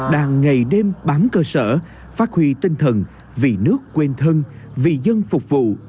đang ngày đêm bám cơ sở phát huy tinh thần vì nước quên thân vì dân phục vụ